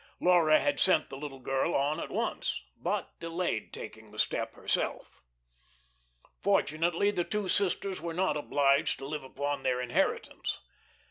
Laura had sent the little girl on at once, but delayed taking the step herself. Fortunately, the two sisters were not obliged to live upon their inheritance.